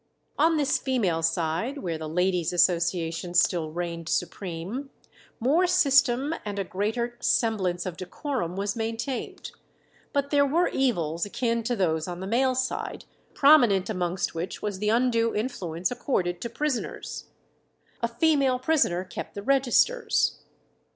On this female side, where the Ladies' Association still reigned supreme, more system and a greater semblance of decorum was maintained. But there were evils akin to those on the male side, prominent amongst which was the undue influence accorded to prisoners. A female prisoner kept the registers.